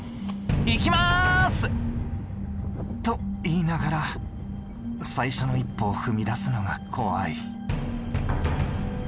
行きます！と言いながら最初の一歩を踏み出すのが怖い。